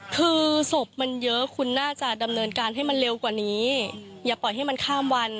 คือศพมันเยอะคุณน่าจะดำเนินการให้มันเร็วกว่านี้อย่าปล่อยให้มันข้ามวัน